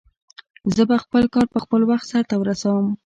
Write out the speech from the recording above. زه به خپل کار په خپل وخت سرته ورسوم